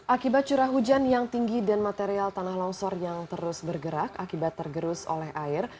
akibat curah hujan yang tinggi dan material tanah longsor yang terus bergerak akibat tergerus oleh air